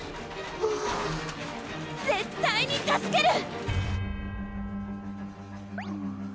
あっ絶対に助ける！